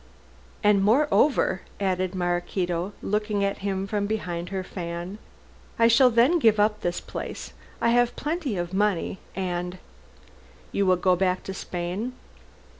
"And, moreover," added Maraquito, looking at him from behind her fan; "I shall then give up this place. I have plenty of money, and " "You will go back to Spain?"